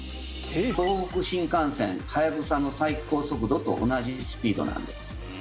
東北新幹線「はやぶさ」の最高速度と同じスピードなんです。